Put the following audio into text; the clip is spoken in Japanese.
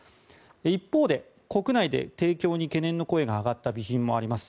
一方で、国内に提供に懸念の声が上がった備品もあります。